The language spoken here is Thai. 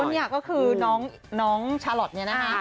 นี่ก็คือน้องชาลอทเนี่ยนะคะ